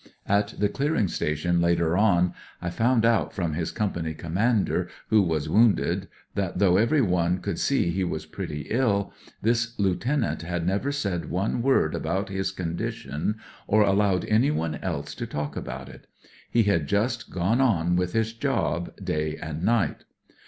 At the clearing station, later on, I found out from his Company Commander, who was woimded, that, though everyon? could see he was pretty ill, this lieutenant had never said one word about his condition ■MHliiiik WHAT EVERY M.O. KNOWS 209 or allowed anyone else to talk about it. He had just gone on with his job, day and night.